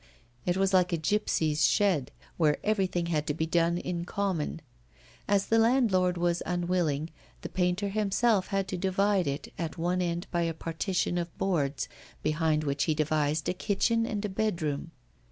It was like a gipsy's shed, where everything had to be done in common. As the landlord was unwilling, the painter himself had to divide it at one end by a partition of boards, behind which he devised a kitchen and a bedroom.